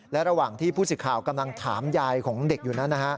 และระหว่างที่ผู้สิทธิ์ข่าวกำลังถามยายของเด็กอยู่นั้น